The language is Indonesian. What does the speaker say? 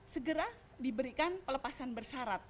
segera diberikan pelepasan bersarat